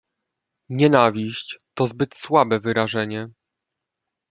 "Nienawiść, to zbyt słabe wyrażenie."